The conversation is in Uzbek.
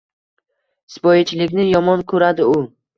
Sipoyichilikni yomon ko‘radi u